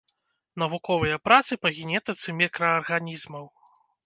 Навуковыя працы па генетыцы мікраарганізмаў.